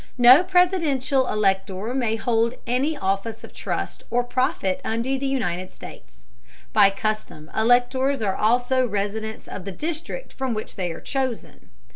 ] No presidential elector may hold any office of trust or profit under the United States. By custom electors are also residents of the district from which they are chosen.